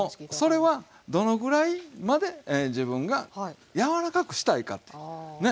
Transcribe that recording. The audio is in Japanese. それはどのぐらいまで自分が柔らかくしたいかってね。